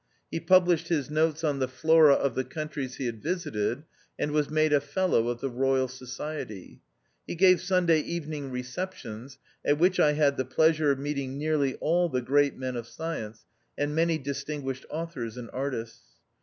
He published his notes on the Flora of the countries he had visited, and was made a Fellow of the Royal Society. He gave Sunday even ing receptions, at which I had the pleasure of meeting nearly all the great men of science, and many distinguished authors and artists.